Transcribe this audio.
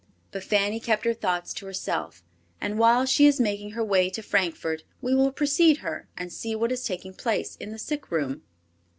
But Fanny kept her thoughts to herself, and while she is making her way to Frankfort, we will precede her and see what is taking place in the sick room.